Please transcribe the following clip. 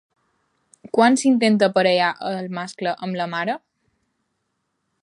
Quan s'intenta aparellar el mascle amb la mare?